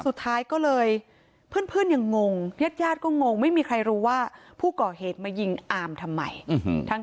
สุดท้ายก็เลยเพื่อนยังงงญาติญาติก็งงไม่มีใครรู้ว่าผู้ก่อเหตุมายิงอามทำไม